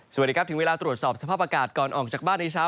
สวัสดีครับถึงเวลาตรวจสอบสภาพอากาศก่อนออกจากบ้านในเช้า